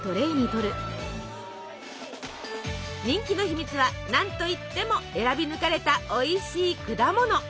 人気の秘密は何といっても選び抜かれたおいしい果物！